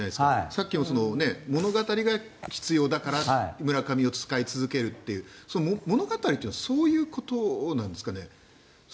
さっきも物語が必要だから村上を使い続けるというその物語というのはそういうことなんですかね。